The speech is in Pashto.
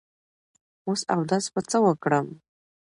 وس اودس په څۀ وکړم